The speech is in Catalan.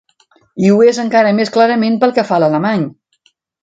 I ho és encara més clarament pel que fa a l'alemany.